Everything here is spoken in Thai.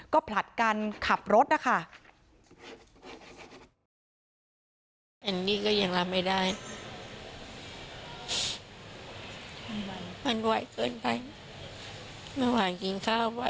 ก็ผลัดกันขับรถนะคะ